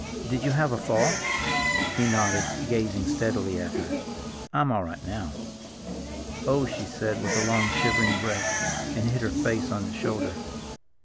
Did you have a fall?" He nodded, gazing steadily at her. "I'm all right now." "Oh," she said with a long, shivering breath, and hid her face on his shoulder.